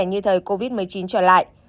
như thời covid một mươi chín trở lại